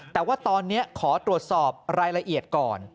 แต่ว่าตอนนี้ขอตรวจสอบรายละเอียดก่อน